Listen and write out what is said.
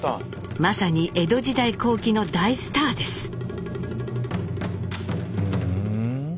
まさに江戸時代後期の大スターです。